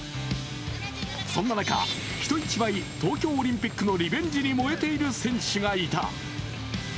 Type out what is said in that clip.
そんな中、人一倍、東京オリンピックのリベンジに燃えている選手がいた。